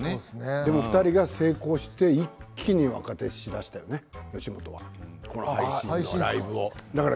でも２人が成功して一気にしだしたよね吉本は配信ライブを。